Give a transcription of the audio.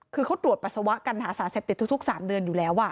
คือเขาตรวจปัสสาวะกันหาสารเสพติดทุก๓เดือนอยู่แล้ว